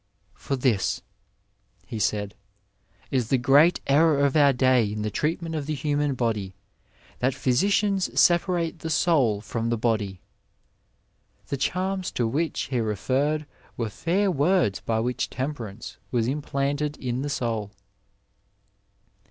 For this,' he said, ' is the great error of our day in the treatment of the human body, that physicians sepa rate the soul from the body.' " The charms to which he referred were fair words by which temperance was im planted in the soul.